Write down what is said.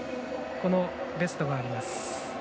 ベストがあります。